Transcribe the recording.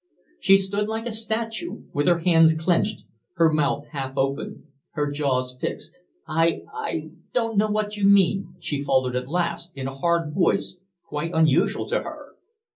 She stood like a statue, with her hands clenched, her mouth half open, her jaws fixed. "I I I don't know what you mean," she faltered at last, in a hard voice quite unusual to her.